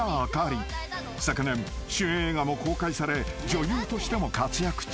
［昨年主演映画も公開され女優としても活躍中］